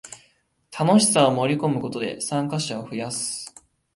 楽しさを盛りこむことで参加者を増やす